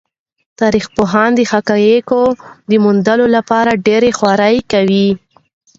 تاریخ پوهان د حقایقو د موندلو لپاره ډېرې خوارۍ کوي.